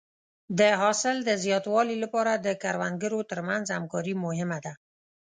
د حاصل د زیاتوالي لپاره د کروندګرو تر منځ همکاري مهمه ده.